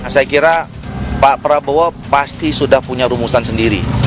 saya kira pak prabowo pasti sudah punya rumusan sendiri